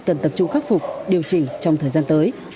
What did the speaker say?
cần tập trung khắc phục điều chỉnh trong thời gian tới